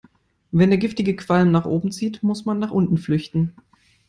Wenn der giftige Qualm nach oben zieht, muss man nach unten flüchten.